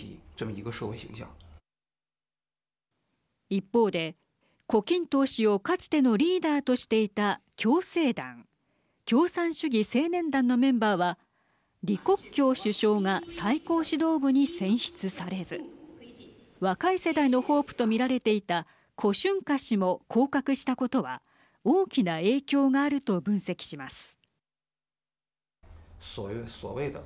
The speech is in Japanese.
一方で、胡錦涛氏をかつてのリーダーとしていた共青団＝共産主義青年団のメンバーは李克強首相が最高指導部に選出されず若い世代のホープと見られていた胡春華氏も降格したことは大きな影響があると分析します。